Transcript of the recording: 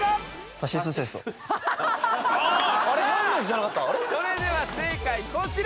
さあそれでは正解こちら！